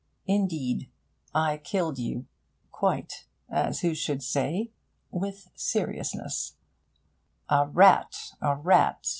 Indeed, I killed you quite, as who should say, without seriousness, "A rat! A rat!"